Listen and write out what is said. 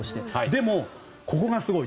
でも、ここがすごい。